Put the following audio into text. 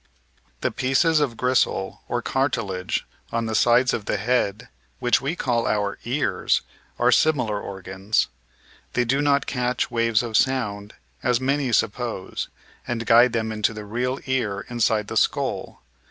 The pieces of gristle or cartilage on the sides of the head which we call our "ears'* are similar organs. They do not catch waves of sound, as many suppose, and guide them into the real ear inside the skull.